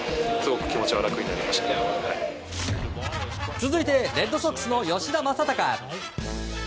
続いて、レッドソックスの吉田正尚。